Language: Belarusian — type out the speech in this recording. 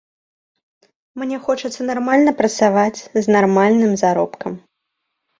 Мне хочацца нармальна працаваць з нармальны заробкам.